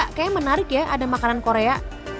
kayaknya menarik ya ada makanan korea